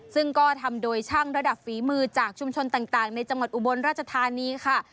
ซึ่งก็ทำโดยช่างระดับฝีมือจากชุมชนต่างในจังหวัดอุบลราชธานีค่ะ